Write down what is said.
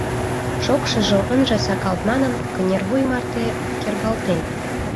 Шокшыжо ынже сакалт манын, кынервуй марте кергалтен!